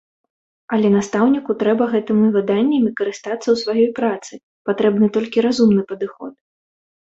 Але настаўніку трэба гэтымі выданнямі карыстацца ў сваёй працы, патрэбны толькі разумны падыход.